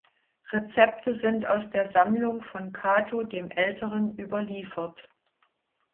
Rezepte sind aus der Sammlung von Cato dem Älteren überliefert.